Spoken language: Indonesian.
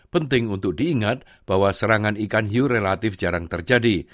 penting untuk diingat bahwa serangan ikan hiu relatif jarang terjadi